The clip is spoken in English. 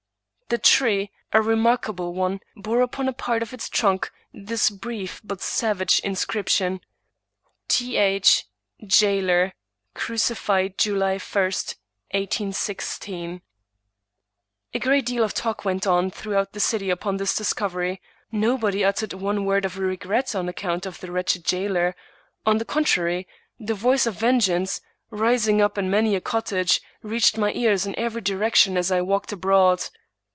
The tree, a remarkable one, bore upon a part of its trunk this brief but savage inscription: —" T. H., jailer at ; Cru cified July I, 1816." A great deal of talk went on throughout the city upon this discovery; nobody uttered one word of regret on ac count of the wretched jailer; on the contrary, the voice of vengeance, rising up in many a cottage, reached my ears in every direction as I walked abroad.